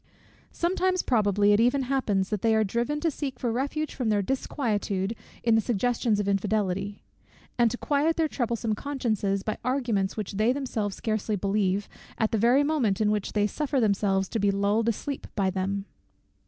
Sometimes, probably, it even happens that they are driven to seek for refuge from their disquietude in the suggestions of infidelity; and to quiet their troublesome consciences by arguments which they themselves scarcely believe, at the very moment in which they suffer themselves to be lulled asleep by them.